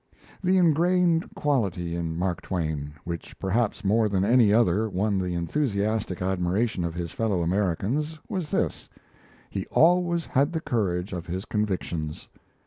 The ingrained quality in Mark Twain, which perhaps more than any other won the enthusiastic admiration of his fellow Americans, was this: he always had the courage of his convictions.